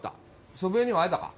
祖父江には会えたか？